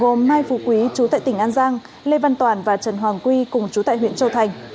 gồm mai phú quý chú tại tỉnh an giang lê văn toàn và trần hoàng quy cùng chú tại huyện châu thành